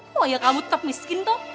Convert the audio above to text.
wah ya kamu tetap miskin toh